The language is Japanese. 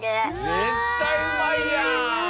ぜったいうまいやん！